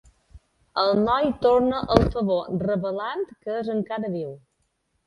El noi torna el favor revelant que és encara viu.